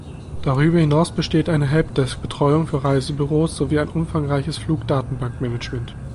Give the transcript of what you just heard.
Darüber hinaus besteht eine Helpdesk-Betreuung für Reisebüros sowie ein umfangreiches Flugdatenbank-Management.